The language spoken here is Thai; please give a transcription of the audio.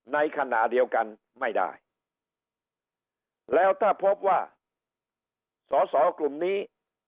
ในขณะเดียวกันไม่ได้แล้วถ้าพบว่าสอสอกลุ่มนี้